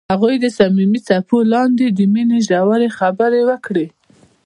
هغوی د صمیمي څپو لاندې د مینې ژورې خبرې وکړې.